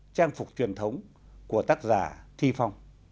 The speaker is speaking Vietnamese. trang phục truyền thống của tác giả thi phong